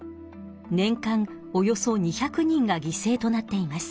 年間およそ２００人がぎせいとなっています。